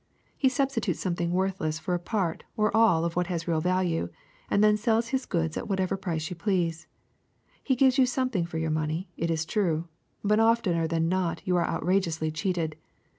He substitutes something worthless for a part or all of what has real value, and then sells his goods at whatever price you please. He gives you something for your money, it is true ; but of tener than not you are outrageously cheated.